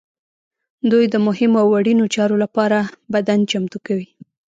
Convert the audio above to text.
دوی د مهمو او اړینو چارو لپاره بدن چمتو کوي.